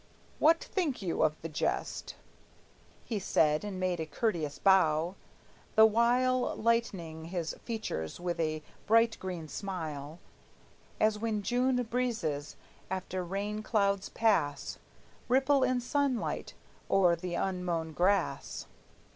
What think you of the jest?" He said; and made a courteous bow, the while Lighting his features with a bright green smile; As when June breezes, after rain clouds pass, Ripple in sunlight o'er the unmown grass.